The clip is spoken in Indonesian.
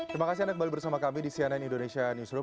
terima kasih anda kembali bersama kami di cnn indonesia newsroom